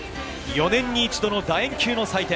４年に一度の大人気の祭典。